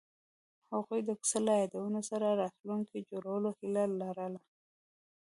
هغوی د کوڅه له یادونو سره راتلونکی جوړولو هیله لرله.